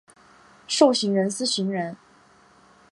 授行人司行人。